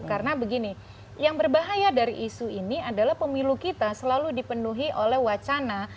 karena begini yang berbahaya dari isu ini adalah pemilu kita selalu dipenuhi oleh wacana